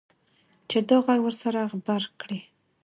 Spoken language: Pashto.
چې دا غږ ورسره غبرګ کړي.